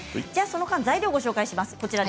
その間に、材料をご紹介します。